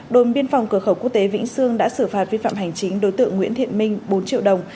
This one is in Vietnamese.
đồn biên phòng cửa khẩu quốc tế vĩnh sương đã xử phạt vi phạm hành chính đối tượng nguyễn thiện minh bốn triệu đồng